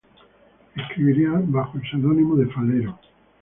Escribirá bajo el seudónimo de ""Falero"".